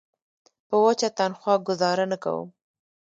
په وچه تنخوا ګوزاره نه کوم.